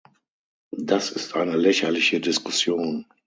Das ist eine lächerliche Diskussion.